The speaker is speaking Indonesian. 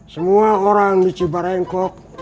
semua orang di cibarengkok